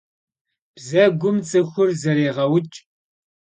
Bzegum ts'ıxur zerêğeuç'.